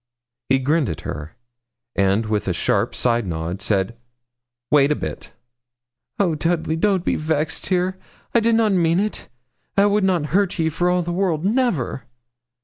He grinned at her, and, with a sharp side nod, said 'Wait a bit.' 'Oh, Dudley, don't be vexed, dear. I did not mean it. I would not hurt ye for all the world. Never.'